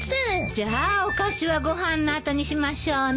じゃあお菓子はご飯の後にしましょうね。